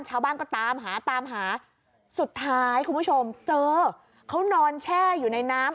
ชาวบ้านก็ตามหาตามหาสุดท้ายคุณผู้ชมเจอเขานอนแช่อยู่ในน้ำ